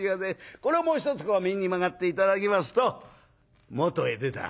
これをもう一つ右に曲がって頂きますと元へ出た」。